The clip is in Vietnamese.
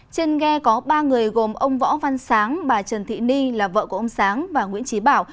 trên ghe có ba người gồm ông võ văn sáng bà trần thị ni là vợ của ông sáng và nguyễn trí bảo